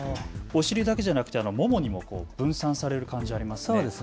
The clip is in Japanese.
お尻だけじゃなくてももにも分散される感じがありますね。